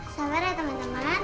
sampai raya teman teman